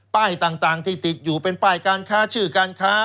ต่างที่ติดอยู่เป็นป้ายการค้าชื่อการค้า